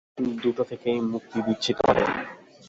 দুটো থেকেই মুক্তি দিচ্ছি তোমাদের।